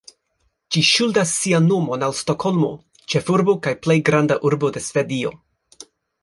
Ĝi ŝuldas sian nomon al Stokholmo, ĉefurbo kaj plej granda urbo de Svedio.